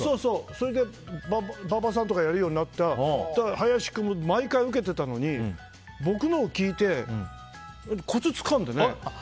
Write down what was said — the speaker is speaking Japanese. それで馬場さんとかやるようになったら林君も毎回ウケてたのに僕のを聞いてコツをつかんでね